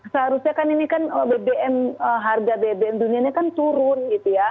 seharusnya kan ini kan bbm harga bbm dunia ini kan turun gitu ya